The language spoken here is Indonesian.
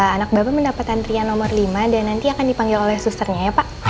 anak bapak mendapatkan rian nomor lima dan nanti akan dipanggil oleh susternya ya pak